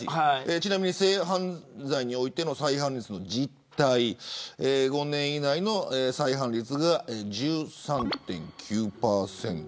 ちなみに性犯罪の再犯率の実態５年以内の再犯率が１３．９％。